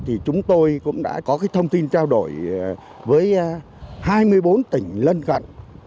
thì chúng tôi cũng đã có cái thông tin trao đổi với hai mươi bốn tỉnh lân cận